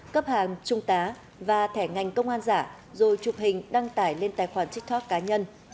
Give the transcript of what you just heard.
cấp hàng trung tá và thẻ ngành công an giả rồi chụp hình đăng tải lên tài khoản tiktok cá nhân